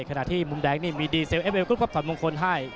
ขณะที่มุมแดงนี้มีดีเซลล์เอฟเอฟกรุ๊ปกับท่อนมงคลให้